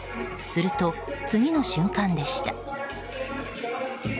すると、次の瞬間でした。